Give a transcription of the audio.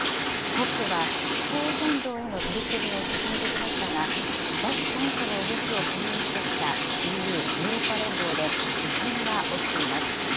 ＣＯＰは気候変動への取り組みを進めてきましたが、脱炭素の動きをけん引してきたＥＵ・ヨーロッパ連合で、異変が起きています。